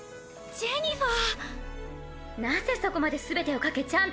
ジェニファー！